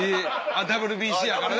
ＷＢＣやからね。